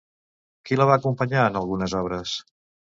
Qui la va acompanyar en algunes obres?